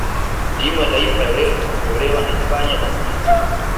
timu ya taifa ya ureno ilitolewa na hispania kwa penati